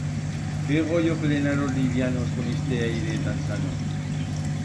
Qué goyo plenar os livianos con iste aire tan sano!